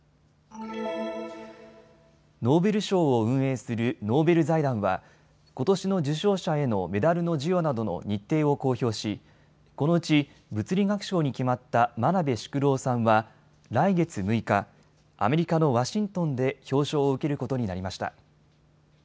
ノーベル賞を運営するノーベル財団はことしの受賞者へのメダルの授与などの日程を公表しこのうち物理学賞に決まった真鍋淑郎さんは来月６日、アメリカのワシントンで表彰を受けることになりました。